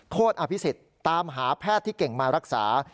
อภิษฎตามหาแพทย์ที่เก่งมารักษา